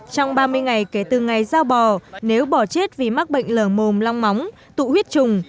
trong ba mươi ngày kể từ ngày giao bò nếu bò chết vì mắc bệnh lở mồm long móng tụ huyết trùng